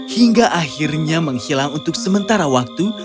hingga akhirnya menghilang untuk sementara waktu